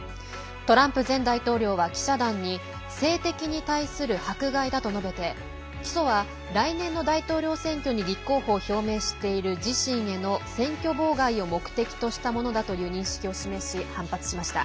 トランプ前大統領は記者団に政敵に対する迫害だと述べて起訴は来年の大統領選挙に立候補を表明している自身への選挙妨害を目的としたものだという認識を示し、反発しました。